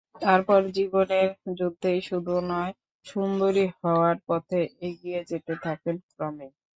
তারপর জীবনের যুদ্ধই শুধু নয়, সুন্দরী হওয়ার পথেও এগিয়ে যেতে থাকেন ক্রমেই।